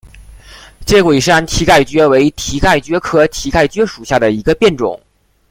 介贵山蹄盖蕨为蹄盖蕨科蹄盖蕨属下的一个变种。